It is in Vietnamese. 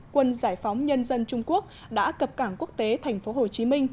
quân giải phóng nhân dân trung quốc đã cập cảng quốc tế tp hcm